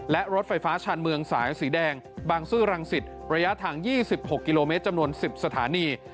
และรถไฟฟ้าชาญเมืองสายสีแดงบางซื่อรังสิตระยะทาง๒๖กิโลเมตรจำนวน๑๐สถานี